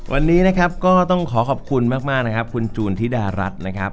วันนี้นะครับก็ต้องขอขอบคุณมากนะครับคุณจูนธิดารัฐนะครับ